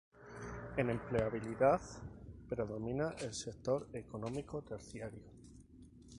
En empleabilidad predomina el sector económico terciario.